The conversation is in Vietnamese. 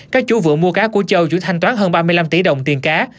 các chú vựa mua cá của châu chủ thanh toán hơn ba mươi năm tỷ đồng tiền cá